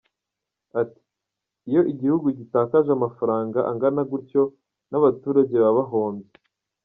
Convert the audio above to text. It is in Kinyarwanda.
Ati “Iyo igihugu gitakaje amafaranga angana gutyo n’abaturage baba bahombye.